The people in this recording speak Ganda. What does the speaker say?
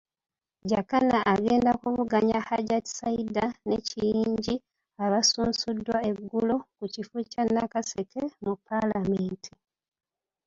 Jakana agenda kuvuganya Hajjati Saidah ne Kiyingi abasunsuddwa eggulo kukifo kya Nakaseke mu Palamenti.